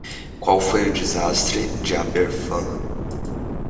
Qual foi o desastre de Aberfan?